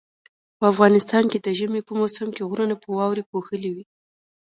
په افغانستان کې د ژمي په موسم کې غرونه په واوري پوښلي وي